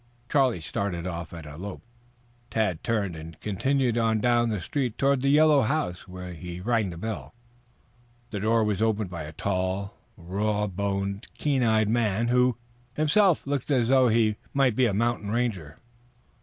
Charlie started off at a lope. Tad turned and continued on down the street toward the yellow house, where he rang the bell. The door was opened by a tall, raw boned, keen eyed man, who himself looked as though he might be a mountain ranger.